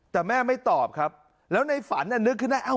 แต่แม่ไม่ตอบครับแล้วในฝันนึกขึ้นได้